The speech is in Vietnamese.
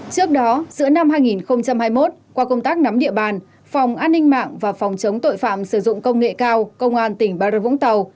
trước đó giữa năm hai nghìn hai mươi một qua công tác nắm địa bàn phòng an ninh mạng và phòng chống tội phạm sử dụng công nghệ cao công an tỉnh bà rập vũng tàu